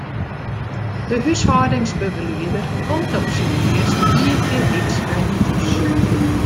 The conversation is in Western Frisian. De húshâldingsbegelieder komt op syn minst ien kear wyks by jin thús.